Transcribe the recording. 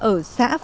ở xã phương